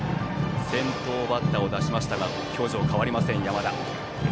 先頭バッターを出しても表情は変わりません、山田。